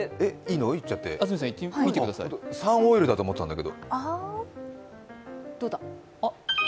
サンオイルだと思ったんだけど。